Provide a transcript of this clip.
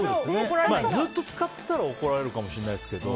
ずっと使ってたら怒られるかもしれないけど。